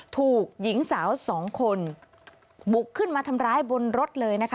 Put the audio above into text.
ถูกหญิงสาวสองคนบุกขึ้นมาทำร้ายบนรถเลยนะคะ